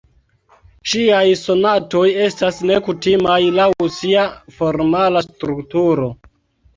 Ŝiaj sonatoj estas nekutimaj laŭ sia formala strukturo.